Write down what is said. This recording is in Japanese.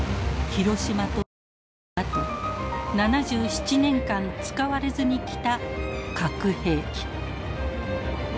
ヒロシマとナガサキのあと７７年間使われずにきた核兵器。